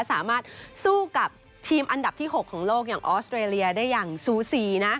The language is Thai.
สามารถสู้กับทีมอันดับที่๖ของโลกอย่างออสเตรเลียได้อย่างสูสีนะ